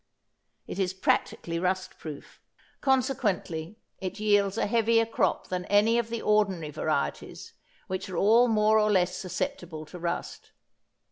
It is practically rust proof. Consequently it yields a heavier crop than any of the ordinary varieties which are all more or less susceptible to rust.